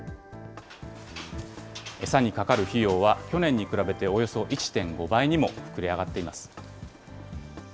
餌にかかる費用は、去年に比べておよそ１．５倍にも膨れ上がっています。